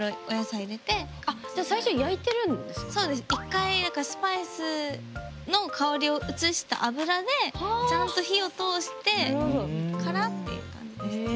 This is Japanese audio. １回スパイスの香りを移した油でちゃんと火を通してからっていう感じですね。